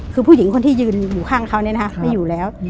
คือผู้หญิงคนที่ยืนอยู่ข้างเขาไม่อยู่แล้ว